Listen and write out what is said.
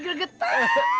saya jadi gergetan